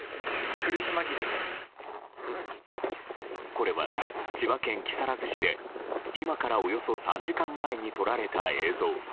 これは千葉県木更津市で今からおよそ３時間前に撮られた映像。